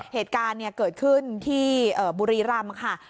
เหตุการณ์เกิดขึ้นที่บุรีรำค่ะ